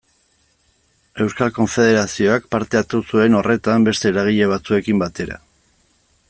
Euskal Konfederazioak parte hartu zuen horretan beste eragile batzuekin batera.